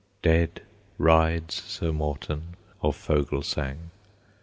Dead rides Sir Morten of Fogelsang.